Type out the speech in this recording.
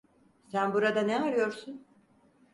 Sen burada ne arıyorsun?